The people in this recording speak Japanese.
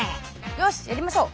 よしやりましょう。